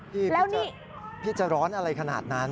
พี่พี่จะร้อนอะไรขนาดนั้น